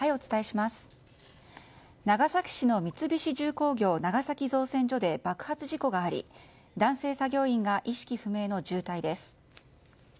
長崎市の三菱重工業長崎造船所で爆発事故があり、男性作業員が意識不明の重体です。